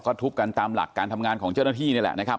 ก็ทุบกันตามหลักการทำงานของเจ้าหน้าที่นี่แหละนะครับ